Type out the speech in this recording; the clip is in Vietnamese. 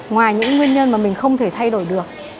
ngoài những nguyên nhân mà mình không thể thay đổi được